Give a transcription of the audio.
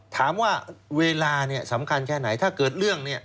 ถามว่าเวลาสำคัญแค่ไหนถ้าเกิดเรื่องเนี่ย